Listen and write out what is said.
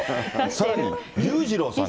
さらに、裕次郎さんにも。